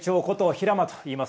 平間といいます。